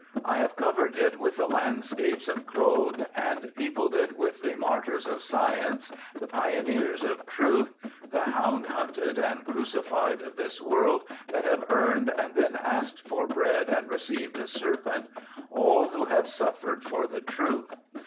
I have covered it with the landscapes of Claude, and peopled it with the martyrs of science, the pioneers of truth, the hound hunted and crucified of this world, that have earned and then asked for bread and received a serpent ;— all who have suffered for the truth.